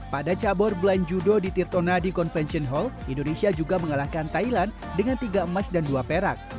pada cabur blind judo di tirtona di convention hall indonesia juga mengalahkan thailand dengan tiga emas dan dua perak